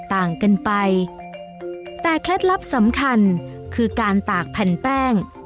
ต่างกันไปแต่แค่ลักษณ์สำคัญคือการตากผันแป้ง